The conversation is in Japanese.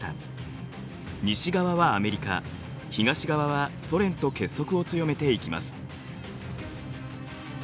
西側はアメリカ東側はソ連と結束を強めていきます。